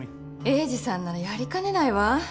栄治さんならやりかねないわ。